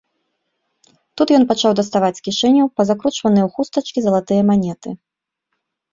Тут ён пачаў даставаць з кішэняў пазакручваныя ў хустачкі залатыя манеты.